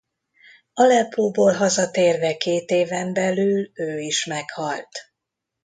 Aleppóból hazatérve két éven belül ő is meghalt.